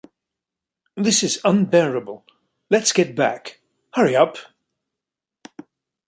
This is unbearable; let’s get back... hurry up.